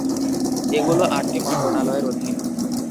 এগুলো আটটি মন্ত্রণালয়ের অধীন।